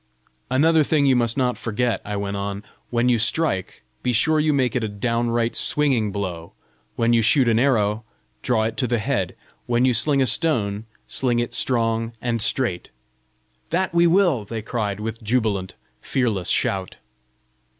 "Another thing you must not forget," I went on: "when you strike, be sure you make it a downright swinging blow; when you shoot an arrow, draw it to the head; when you sling a stone, sling it strong and straight." "That we will!" they cried with jubilant, fearless shout.